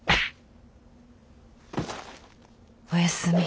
おやすみ。